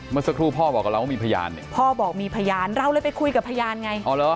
เมื่อสักครู่พ่อบอกกับเราว่ามีพยานพ่อบอกมีพยานเราเลยไปคุยกับพยานไง